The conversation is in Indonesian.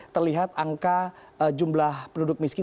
terlihat angka jumlah penduduk miskin